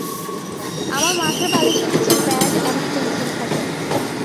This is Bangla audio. আমার মাথার বালিশের নিচে প্যাড এবং পেনসিল থাকে।